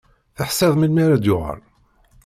Teḥṣiḍ melmi ara d-yuɣal?